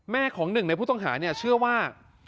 ของหนึ่งในผู้ต้องหาเชื่อว่า